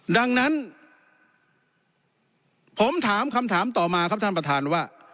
ดังนั้นผมถามคำถามต่อมาครับท่านประธานว่า